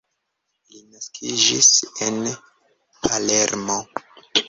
Li naskiĝis en Palermo.